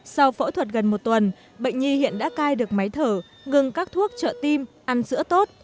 sau phẫu thuật gần một tuần bệnh nhi hiện đã cai được máy thở ngừng các thuốc trợ tim ăn sữa tốt